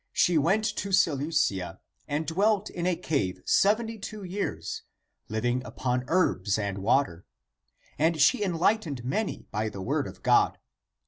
we read after Seleucia "and dwelt in a cave seventy two years, living upon herbs and water. And she enlightened many by the word of God.